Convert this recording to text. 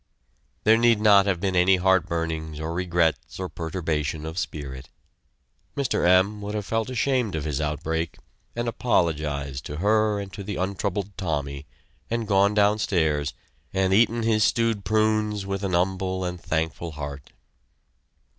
There need not have been any heartburnings or regrets or perturbation of spirit. Mr. M. would have felt ashamed of his outbreak and apologized to her and to the untroubled Tommy, and gone downstairs, and eaten his stewed prunes with an humble and thankful heart.